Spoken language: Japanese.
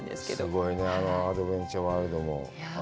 すごいね、あのアドベンチャーワールドも。